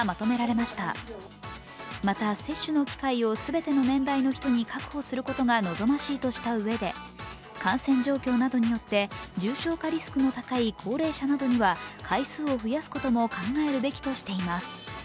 また接種の機会を全ての年代の人に確保することが望ましいとしたうえで、感染状況などによって重症化リスクの高い高齢者などには回数を増やすことも考えるべきとしています。